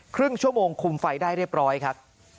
ครึ่งชั่วโมงคุมไฟได้เรียบร้อยครับ